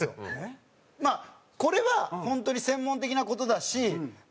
まあこれは本当に専門的な事だしま